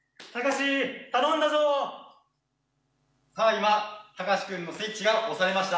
今タカシ君のスイッチが押されました。